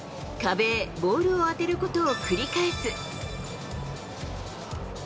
壁へボールを当てることを繰り返す。